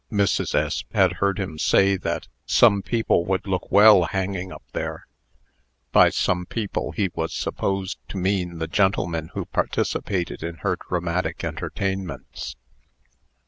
Mrs. S. had heard him say, that "some people would look well hanging up there." By "some people," he was supposed to mean the gentlemen who participated in her dramatic entertainments.